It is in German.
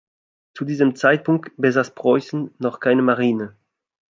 Zu diesem Zeitpunkt besaß Preußen noch keine Marine.